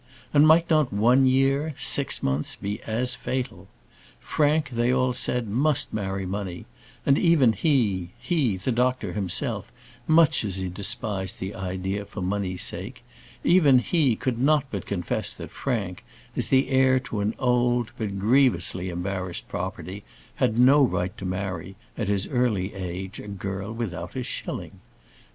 And might not one year six months be as fatal. Frank, they all said, must marry money; and even he he the doctor himself, much as he despised the idea for money's sake even he could not but confess that Frank, as the heir to an old, but grievously embarrassed property, had no right to marry, at his early age, a girl without a shilling.